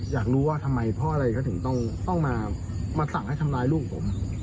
อยากรู้ว่าทำไมพ่ออะไรเขาถึงต้องมาสั่งให้ทำร้ายลูกผม